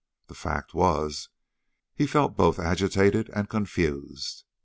The fact was, he felt both agitated and confused.